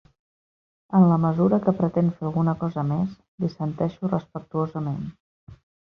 En la mesura que pretén fer alguna cosa més, dissenteixo respectuosament.